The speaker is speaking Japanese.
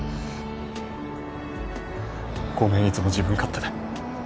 ごめんいつも自分勝手で。